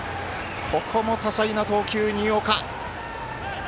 ここも多彩な投球、新岡。